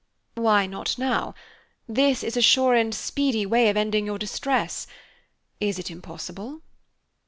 "Why not now? This is a sure and speedy way of ending your distress. Is it impossible?"